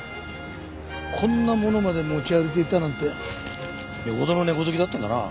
こんなものまで持ち歩いていたなんてよほどの猫好きだったんだな。